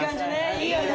いいよね！